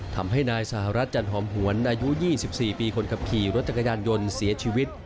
ทำให้นายสหรัฐจันหอมหวนอายุ๒๔ปีคนขับขี่รถจักรยานยนต์เสียชีวิต